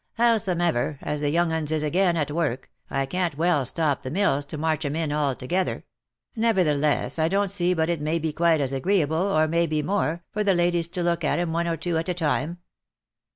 How somever, as the young uns is again at work, I can't well stop the mills to march 'em in all together. Nevertheless, 1 don't see but it may be quite as agreeable, or may be more, for the ladies to look at 'em one or two at a time."